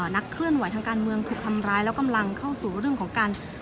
นักเคลื่อนไหวทางการเมืองถูกทำร้ายแล้วกำลังเข้าสู่เรื่องของการ